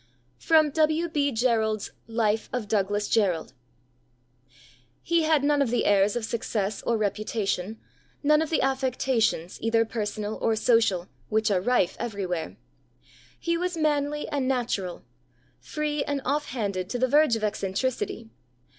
[Sidenote: W. B. Jerrold's Life of Douglas Jerrold.] "He had none of the airs of success or reputation, none of the affectations, either personal or social, which are rife everywhere. He was manly and natural; free and off handed to the verge of eccentricity.